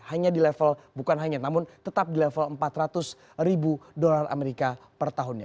hanya di level bukan hanya namun tetap di level empat ratus ribu dolar amerika per tahunnya